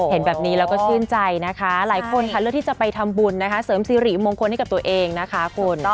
เห็นแบบนี้เราก็ชื่นใจนะคะ